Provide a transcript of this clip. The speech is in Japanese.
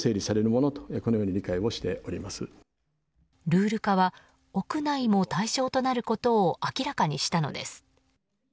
ルール化は屋内も対象となることを明らかにしたのです。